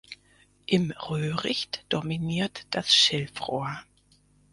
Im Röhricht dominiert das Schilfrohr.